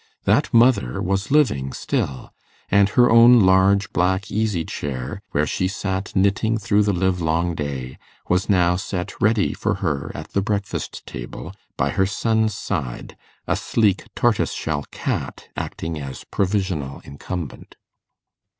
That mother was living still, and her own large black easy chair, where she sat knitting through the livelong day, was now set ready for her at the breakfast table, by her son's side, a sleek tortoise shell cat acting as provisional incumbent.